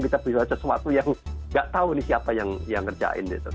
kita bisa baca sesuatu yang nggak tahu siapa yang ngerjain